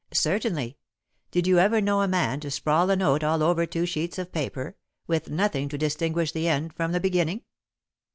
"Certainly. Did you ever know a man to sprawl a note all over two sheets of paper, with nothing to distinguish the end from the beginning?